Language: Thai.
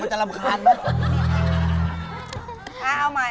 คิดว่าเด็กมันจะรำคัญ